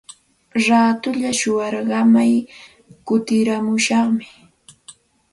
Raatulla shuyaaramay kutiramushaqmi.